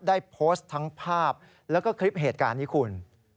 ได้โพสต์ทั้งภาพแล้วก็คลิปเหตุการณ์นี้คุณ